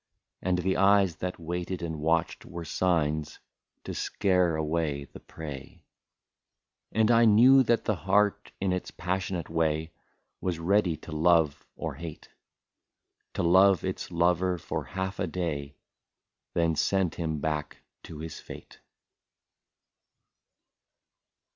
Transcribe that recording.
And the eyes, that waited and watched, were signs, To scare away the prey ; And I knew that the heart in its passionate way Was ready to love or hate. To love its lover for half a day, Then send him back to his^fate.